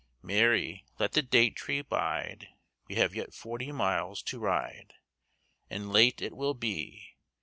Mary, let the date tree bide, We have yet forty miles to ride, And late it will be.